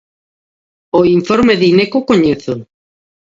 O informe de Ineco coñézoo.